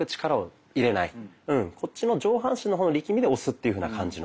こっちの上半身の方の力みで押すというふうな感じの。